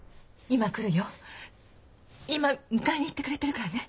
今迎えに行ってくれてるからね。